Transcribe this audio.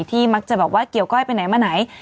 มักจะบอกว่าเกี่ยวก้อยไปไหนมาไหน